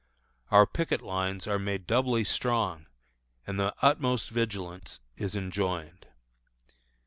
Our picket lines are made doubly strong, and the utmost vigilance is enjoined.